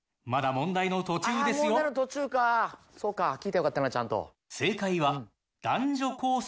問題の途中かそうか聞いたらよかったなちゃんと。